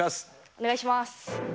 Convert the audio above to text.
お願いします。